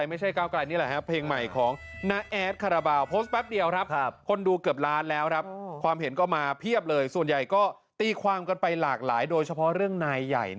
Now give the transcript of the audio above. แมงวันแมงวันไม่ใช่แมงหวีแมงหวีไม่ใช่แมงวัน